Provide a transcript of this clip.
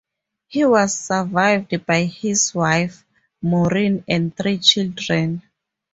He was survived by his wife, Maureen and three children.